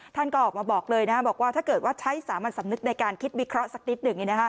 ท่านก็ออกมาบอกเลยบอกว่าถ้าเกิดว่าใช้สามัญสำนึกในการคิดวิเคราะห์สักนิดหนึ่ง